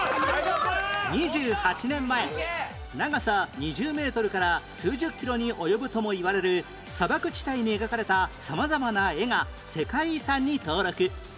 ２８年前長さ２０メートルから数十キロに及ぶともいわれる砂漠地帯に描かれた様々な絵が世界遺産に登録